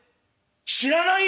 知らないよ